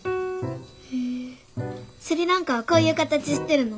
へえスリランカはこういう形してるの？